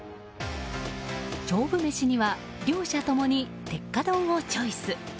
勝負メシには両者ともに鉄火丼をチョイス。